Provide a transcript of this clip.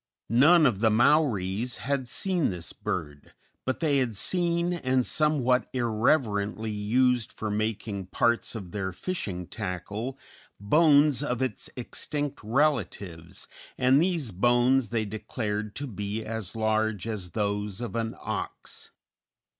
None of the Maoris had seen this bird, but they had seen and somewhat irreverently used for making parts of their fishing tackle, bones of its extinct relatives, and these bones they declared to be as large as those of an ox.